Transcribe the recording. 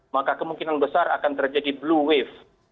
maka kemungkinan besar akan terjadi blue wave